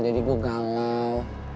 jadi gue galau